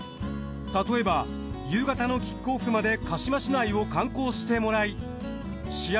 例えば夕方のキックオフまで鹿嶋市内を観光してもらい試合